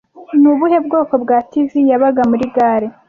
Ni ubuhe bwoko bwa TV yabaga muri gare